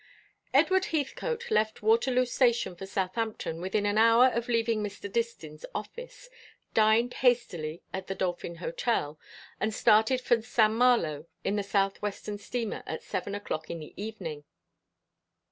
Edward Heathcote left Waterloo Station for Southampton within an hour of leaving Mr. Distin's office, dined hastily at the Dolphin Hotel, and started for St. Malo in the South Western steamer at seven o'clock in the evening.